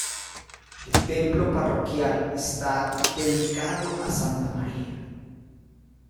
El templo parroquial está dedicado a Santa María.